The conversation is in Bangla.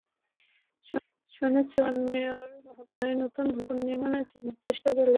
শুনেছি, বর্তমান মেয়র মহোদয় নতুন ভবন নির্মাণের জন্য চেষ্টা চালিয়ে যাচ্ছেন।